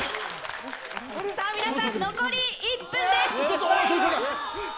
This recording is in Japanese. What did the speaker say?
皆さん残り１分です。